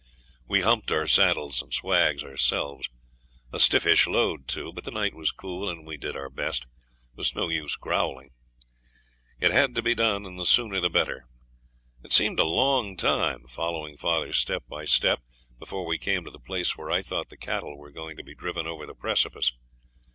We humped our saddles and swags ourselves; a stiffish load too, but the night was cool, and we did our best. It was no use growling. It had to be done, and the sooner the better. It seemed a long time following father step by step before we came to the place where I thought the cattle were going to be driven over the precipice.